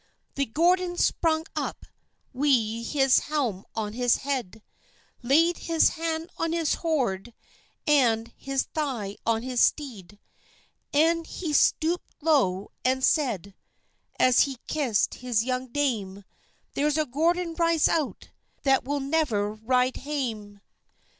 The Gordon sprung up Wi' his helm on his head, Laid his hand on his sword, An' his thigh on his steed, An' he stooped low, and said, As he kissed his young dame, "There's a Gordon rides out That will never ride hame."